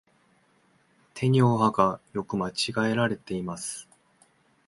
てにをはが、よく間違えられています。